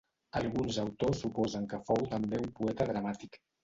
Alguns autors suposen que fou també un poeta dramàtic.